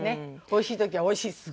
おいしいときは「おいしい。